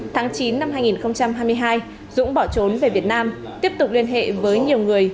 tháng chín năm hai nghìn hai mươi hai dũng bỏ trốn về việt nam tiếp tục liên hệ với nhiều người